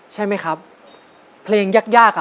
ใช่มั้ยครับเพลงยาก